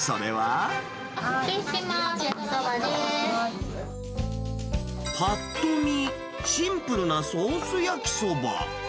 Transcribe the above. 失礼しまーす、焼きそばでーぱっと見、シンプルなソース焼きそば。